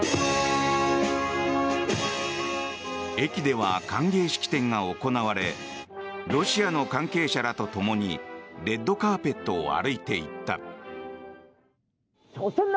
駅では歓迎式典が行われロシアの関係者らとともにレッドカーペットを歩いていった。